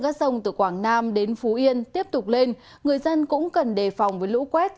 các sông từ quảng nam đến phú yên tiếp tục lên người dân cũng cần đề phòng với lũ quét